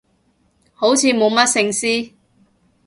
好似冇乜聖詩